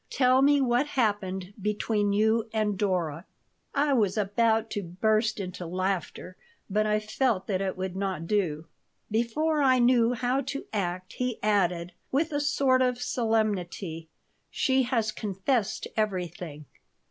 Tell me what happened between you and Dora." I was about to burst into laughter, but I felt that it would not do. Before I knew how to act he added, with a sort of solemnity: "She has confessed everything."